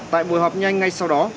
tại buổi họp nhanh ngay sau đó